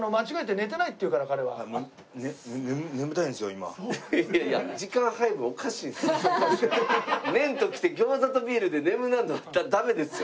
寝んと来て餃子とビールで眠なるんだったらダメですよ。